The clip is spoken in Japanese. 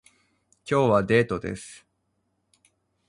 今日はデートです